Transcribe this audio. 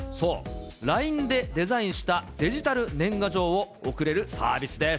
ＬＩＮＥでデザインしたデジタル年賀状を送れるサービスです。